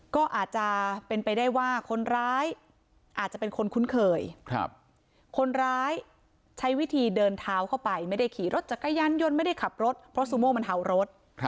ก็อาจจะเป็นไปได้ว่าคนร้ายอาจจะเป็นคนคุ้นเคยคนร้ายใช้วิธีเดินเท้าเข้าไปไม่ได้ขี่รถจักรยานยนต์ไม่ได้ขับรถเพราะซูโม่มันเห่ารถ